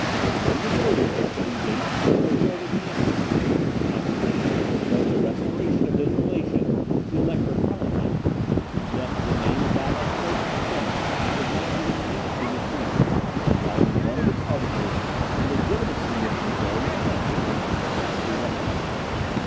Among the motives which had engaged him in a war with the Emperor, not the least was the restoration of his relation, the Elector Palatine yet the name of that unfortunate prince was not even mentioned in the treaty; while in one of its articles the legitimacy of the Bavarian election was expressly recognised.